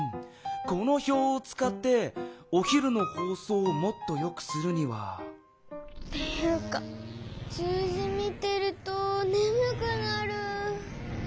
この表を使ってお昼の放送をもっとよくするには。っていうか数字見てるとねむくなる。